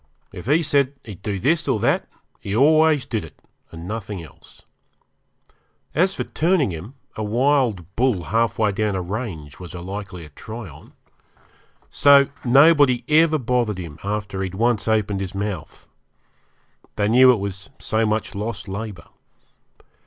If he said he'd do this or that he always did it and nothing else. As for turning him, a wild bull half way down a range was a likelier try on. So nobody ever bothered him after he'd once opened his mouth. They knew it was so much lost labour.